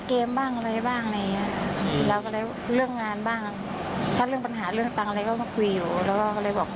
ขอบคุณครับ